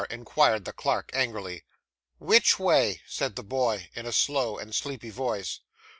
inquired the clerk angrily. 'Which way?' said the boy, in a slow and sleepy voice.